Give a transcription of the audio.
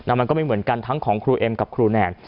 มันก็ไม่เหมือนกันทั้งของครูเอ็มกับครูแนน